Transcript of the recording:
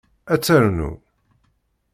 Ad ternu?